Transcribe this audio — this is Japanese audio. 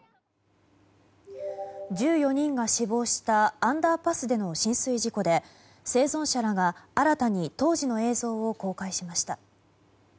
１４人が死亡したアンダーパスでの浸水事故で生存者らが、新たに当時の映像を公開しました。